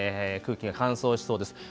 空気が乾燥しそうです。